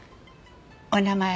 お名前